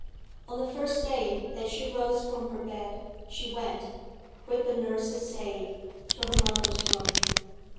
On the first day that she rose from her bed, she went, with the nurse's aid, to her mother's room.